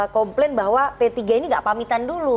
komplain bahwa p tiga ini gak pamitan dulu